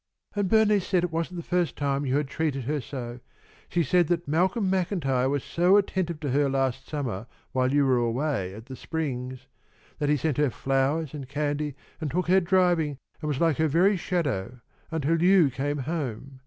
"And Bernice said it wasn't the first time you had treated her so. She said that Malcolm MacIntyre was so attentive to her last summer while you were away at the Springs; that he sent her flowers and candy and took her driving, and was like her very shadow until you came home.